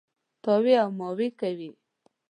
تاوې او ماوې کوي.